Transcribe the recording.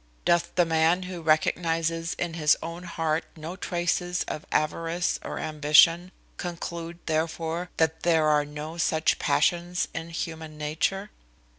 Doth the man who recognizes in his own heart no traces of avarice or ambition, conclude, therefore, that there are no such passions in human nature?